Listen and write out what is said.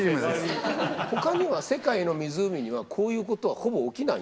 ほかには世界の湖にはこういうことはほぼ起きないんですか？